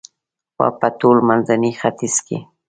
و په ټول منځني ختیځ کې